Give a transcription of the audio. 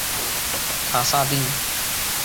卡萨尼亚人口变化图示